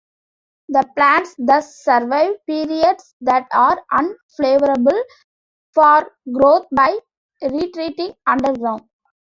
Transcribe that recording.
The plants thus survive periods that are unfavourable for growth by retreating underground.